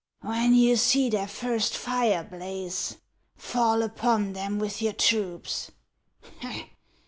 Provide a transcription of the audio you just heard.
When you see their first fire blaze, fall upon them with your troops.